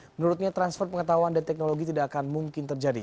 menurutnya transfer pengetahuan dan teknologi tidak akan mungkin terjadi